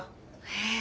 へえ。